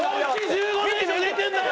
１５年以上出てんだよ